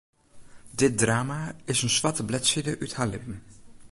Dit drama is in swarte bledside út har libben.